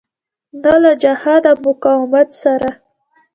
نه له جهاد او مقاومت سره.